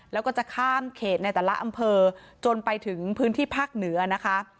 แล้วก็จะข้ามเขตในแต่ละอำเภอจนไปถึงพื้นที่ภาคเหนือนะคะ